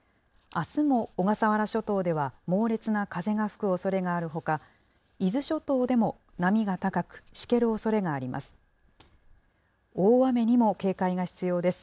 あすも小笠原諸島では猛烈な風が吹くおそれがあるほか、伊豆諸島でも波が高く、しけるおそれがあります。